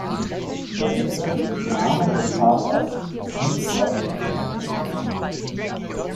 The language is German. Der Begriff „Name-des-Vaters“ ist nicht wörtlich zu verstehen.